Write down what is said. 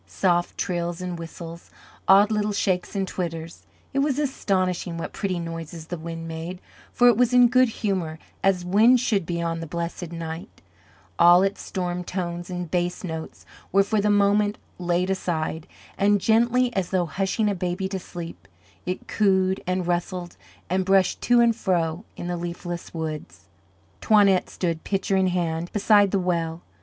Soft trills and whistles, odd little shakes and twitters it was astonishing what pretty noises the wind made, for it was in good humor, as winds should be on the Blessed Night; all its storm tones and bass notes were for the moment laid aside, and gently as though hushing a baby to sleep, it cooed and rustled and brushed to and fro in the leafless woods. Toinette stood, pitcher in hand, beside the well.